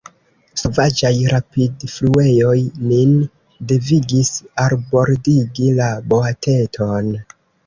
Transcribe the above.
Sovaĝaj rapidfluejoj nin devigis albordigi la boateton.